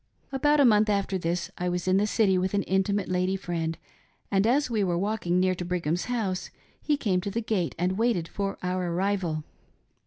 About a month after this I was in the city with an intimate lady friend, and as we were walking near to Brigham's house he came to the gate and waited for our arrival.